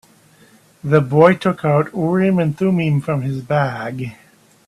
The boy took out Urim and Thummim from his bag.